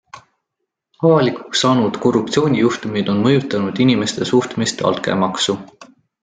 Avalikuks saanud korruptsioonijuhtumid on mõjutanud inimeste suhtumist altkäemaksu.